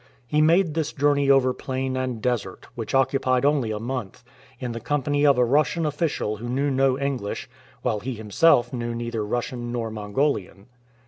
He made this journey over plain and desert, which occupied only a month, in the company of a Russian official who knew no English, while he him self knew neither Russian nor Mongolian.